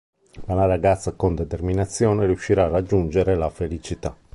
Ma la ragazza con determinazione riuscirà a raggiungere la felicità.